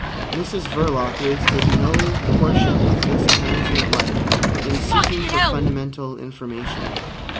Mrs Verloc wasted no portion of this transient life in seeking for fundamental information.